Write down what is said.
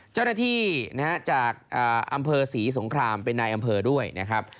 เจ้าหน้าที่นะฮะจากอำเภอศรีสงครามเป็นนายอำเภอด้วยนะครับ